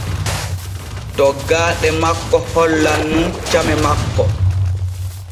Toggaaɗe makko hollan nun came makko.